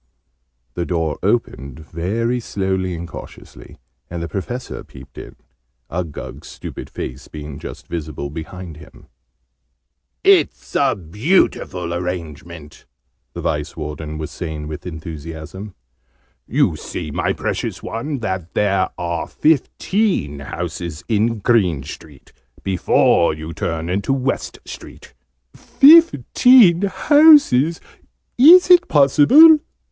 The door opened, very slowly and cautiously, and the Professor peeped in, Uggug's stupid face being just visible behind him. "It is a beautiful arrangement!" the Vice warden was saying with enthusiasm. "You see, my precious one, that there are fifteen houses in Green Street, before you turn into West Street." "Fifteen houses! Is it possible?"